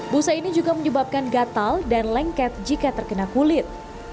busa ini juga menyebabkan gatal dan lengket jika terkena kulit